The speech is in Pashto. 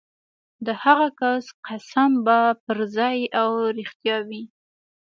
د هغه کس قسم به پرځای او رښتیا وي.